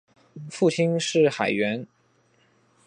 父亲是海员。